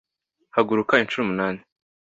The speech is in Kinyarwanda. haguruka inshuro umunani